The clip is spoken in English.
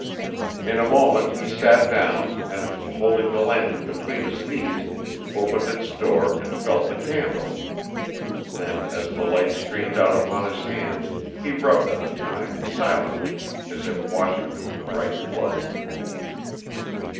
In a moment he sat down, and, holding the lantern between his knees, opened its door and felt the candle. Then as the light streamed out upon his hands, he rubbed them a time, silently, as if washing them in the bright flood.